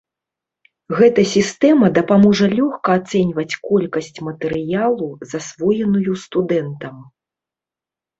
Гэта сістэма дапаможа лёгка ацэньваць колькасць матэрыялу, засвоеную студэнтам.